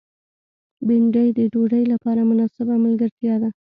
بېنډۍ د ډوډۍ لپاره مناسبه ملګرتیا ده